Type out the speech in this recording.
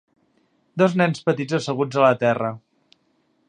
Dos nens petits asseguts a la terra.